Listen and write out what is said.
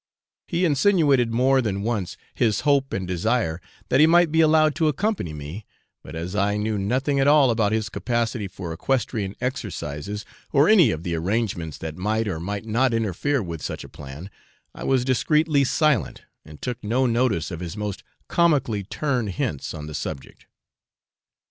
He insinuated more than once his hope and desire that he might be allowed to accompany me, but as I knew nothing at all about his capacity for equestrian exercises, or any of the arrangements that might or might not interfere with such a plan, I was discreetly silent, and took no notice of his most comically turned hints on the subject.